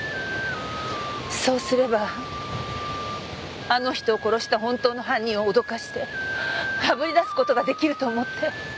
そうすればあの人を殺した本当の犯人を脅かして炙り出す事が出来ると思って。